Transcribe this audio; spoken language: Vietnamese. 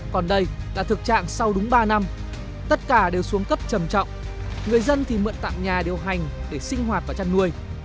còn đây là thực trạng sau đúng ba năm tất cả đều xuống cấp trầm trọng người dân thì mượn tạm nhà điều hành để sinh hoạt và chăn nuôi